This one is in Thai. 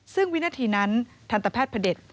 ซึ่งวินาทีนั้นทันตแพทย์พระเด็จ